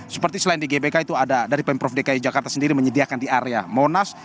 maka itu ada dari pemprov dki jakarta sendiri menyediakan di area monas